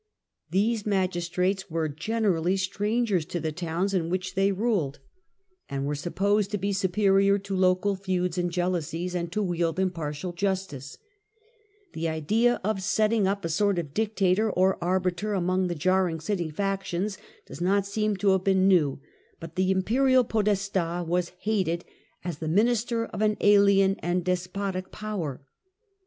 These magistrates were generally strangers to the town in which they ruled, and 158 THE CENTRAL PERIOD OF THE MIDDLE AGE were supposed to be superior to local feuds and jealousies, and to wield impartial justice. The idea of setting up a sort of dictator as arbiter among the jarring city factions does not seem to have been new, but the imperial podesta was hated as the minister of an alien and despotic power.